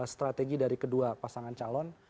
strategi dari kedua pasangan calon